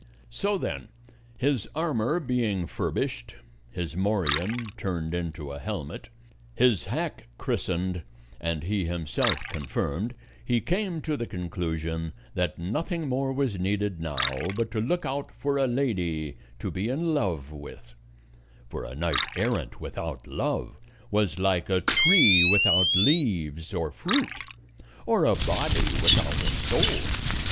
So then, his armor being furbished, his morion turned into a helmet, his hack christened, and he himself confirmed, he came to the conclusion that nothing more was needed now but to look out for a lady to be in love with; for a knight errant without love was like a tree without leaves or fruit, or a body without a soul.